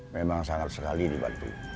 memang sangat sekali dibantu